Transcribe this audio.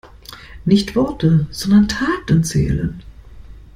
Nicht Worte, sondern Taten zählen.